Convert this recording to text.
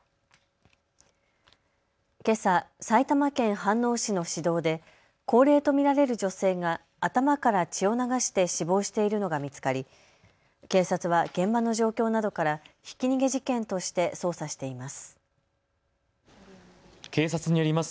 けさ埼玉県飯能市の市道で高齢と見られる女性が頭から血を流して死亡しているのが見つかり警察は現場の状況などからひき逃げ事件として捜査しています。